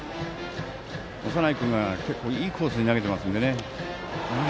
長内君がいいコースに投げてますよね。